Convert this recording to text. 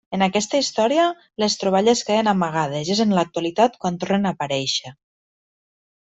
En aquesta història, les troballes queden amagades i és en l'actualitat quan tornen a aparèixer.